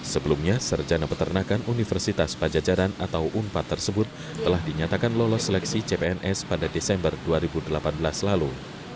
sebelumnya serjana peternakan universitas pajajaran atau unpad tersebut telah dinyatakan lolos seleksi cpns pada desember dua ribu delapan belas lalu